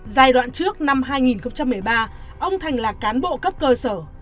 giai đoạn trước năm hai nghìn một mươi ba ông thành là cán bộ cấp cơ sở